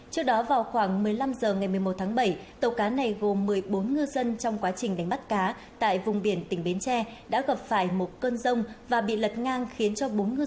trước đó vào khoảng một mươi năm h ngày một mươi một tháng bảy tàu cá này gồm một mươi bốn ngư dân trong quá trình đánh bắt cá tại vùng biển tỉnh bến tre đã gặp phải một cơn rông và bị lật ngang khiến bốn ngư dân